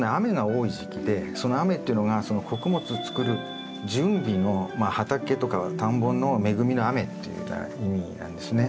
多い時期でその雨っていうのがその穀物を作る準備のまあ畑とか田んぼの恵みの雨っていうような意味なんですね。